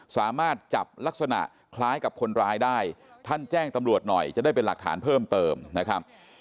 สามารถจับลักษณะคล้ายกับคนร้ายได้ท่านแจ้งตำรวจหน่อยจะได้เป็นหลักฐานเพิ่มเติมนะครับ